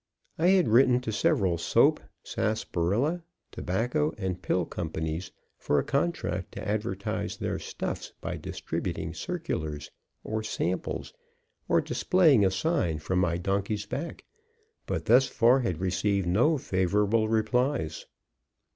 I had written to several soap, sarsaparilla, tobacco and pill companies for a contract to advertise their stuffs by distributing circulars, or samples, or displaying a sign from my donkey's back, but thus far had received no favorable replies.